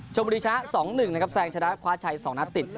ชมบุรีช้าสองหนึ่งนะครับแซงชนะคว้าชัยสองหน้าติด